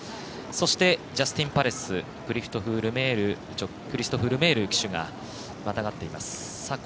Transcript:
そして、ジャスティンパレスクリストフ・ルメール騎手がまたがっています。